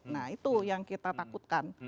nah itu yang kita takutkan